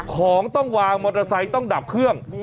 ของต้องวางมอเตอร์ไซค์ต้องดับเครื่อง